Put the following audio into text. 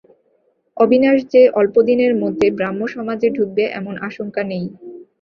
অবিনাশ যে অল্পদিনের মধ্যে ব্রাহ্মসমাজে ঢুকবে এমন আশঙ্কা নেই।